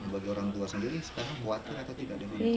bagi orang tua sendiri sekarang khawatir atau tidak